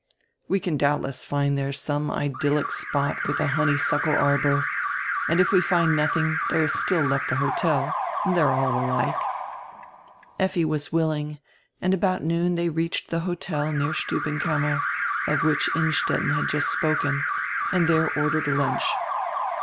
We can doubdess find diere some idyllic spot widi a honeysuckle arbor, and, if we find nothing, diere is still left die hotel, and diey are all alike." Effi was willing, and about noon diey reached die hotel near Stubbenkammer, of which Innstetten had just spoken, and diere ordered a lunch.